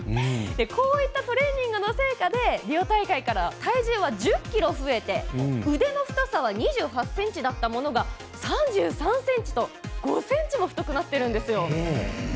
こういったトレーニングの成果でリオ大会からは体重は１０ｋｇ増えて腕の太さは２８ｃｍだったものが３３ｃｍと５ｃｍも太くなってるんですよ。